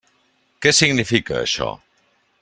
Què significa, això?